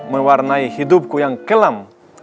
mewarnai hidupku yang kelam